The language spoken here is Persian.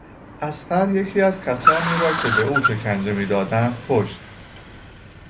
اصغر یکی از کسانی را که به او شکنجه میدادند کشت.